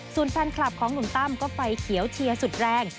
ส่วนแฟนคลับของหนุ่มตั้มก็ไฟเขียวเชียร์สุดแรง